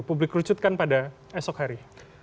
publik kerucutkan pada esok hari